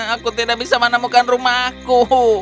aku tidak bisa menemukan rumahku